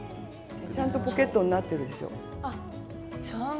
ちゃんとポケットになってるでしょ。